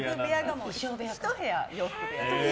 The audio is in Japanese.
１部屋、洋服部屋。